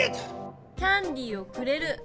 「キャンディーをくれる」。